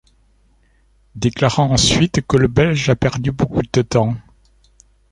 Déclarant ensuite qu', le belge a perdu beaucoup de temps.